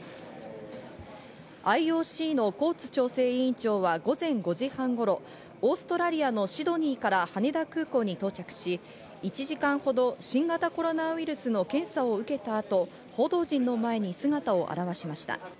ＩＯＣのコーツ調整委員長は午前５時半頃、オーストラリアのシドニーから羽田空港に到着し、１時間ほど新型コロナウイルスの検査を受けた後、報道陣の前に姿を現しました。